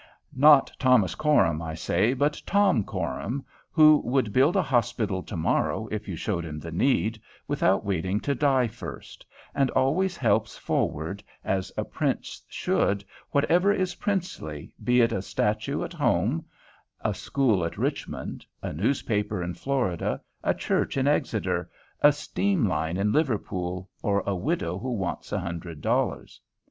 Not Thomas Coram, I say, but Tom Coram, who would build a hospital to morrow, if you showed him the need, without waiting to die first, and always helps forward, as a prince should, whatever is princely, be it a statue at home, a school at Richmond, a newspaper in Florida, a church in Exeter, a steam line to Liverpool, or a widow who wants a hundred dollars.